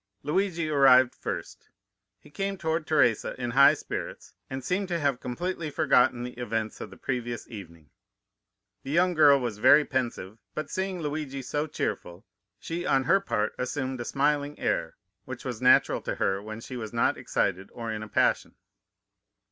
Luigi arrived first. He came toward Teresa in high spirits, and seemed to have completely forgotten the events of the previous evening. The young girl was very pensive, but seeing Luigi so cheerful, she on her part assumed a smiling air, which was natural to her when she was not excited or in a passion.